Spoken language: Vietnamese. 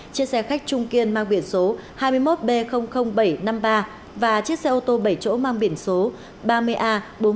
chiếc xe khách trung kiên mang biển số hai mươi một b bảy trăm năm mươi ba và chiếc xe ô tô bảy chỗ mang biển số ba mươi a bốn mươi một nghìn bốn trăm sáu mươi bốn